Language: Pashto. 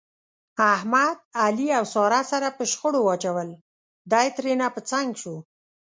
احمد، علي او ساره سره په شخړه واچول، دی ترېنه په څنګ شو.